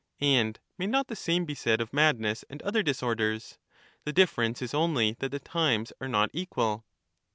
And may not the same be said of madness and other disorders ? the difierence is only that the times are not equal.